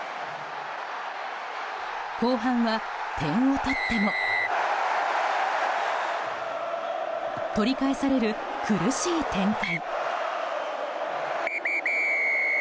後半は点を取っても取り返される苦しい展開。